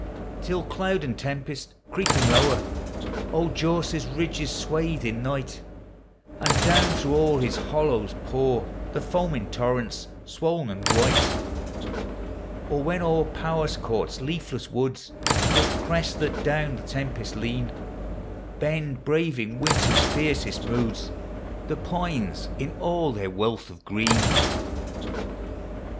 Till cloud and tempest, creeping lower, Old Djouce's ridges swathe in night, And down through all his hollows pour The foaming torrents swoln and white; Or when o'er Powerscourt's leafless woods, With crests that down the tempest lean, Bend, braving winter's fiercest moods, The pines in all their wealth of green.